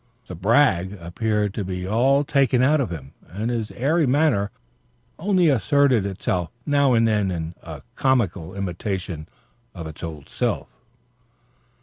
The "brag" appeared to be all taken out of him, and his airy manner only asserted itself now and then in a comical imitation of its old self.